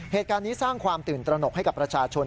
เหตุการณ์นี้สร้างความตื่นตระหนกให้กับประชาชน